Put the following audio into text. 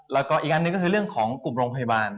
แล้วก็อีกอันหนึ่งก็คือเรื่องของกลุ่มโรงพยาบาล